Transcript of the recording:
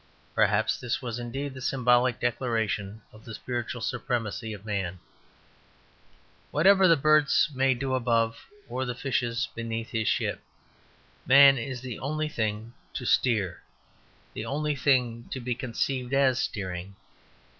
Perhaps this was indeed the symbolic declaration of the spiritual supremacy of man. Whatever the birds may do above or the fishes beneath his ship, man is the only thing to steer; the only thing to be conceived as steering.